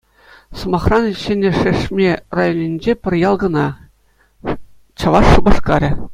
Сӑмахран, Ҫӗнӗ Шешме районӗнче пӗр ял кӑна — Чӑваш Шупашкарӗ.